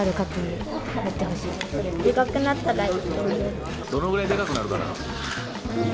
でかくなったらいいと思う。